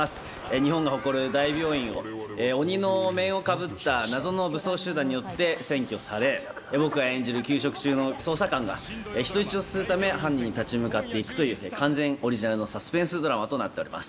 日本が誇る大病院を鬼のお面をかぶった謎の武装集団によって占拠され僕が演じる休職中の捜査官が人質を救うため犯人に立ち向かっていくという完全オリジナルのサスペンスドラマとなっております。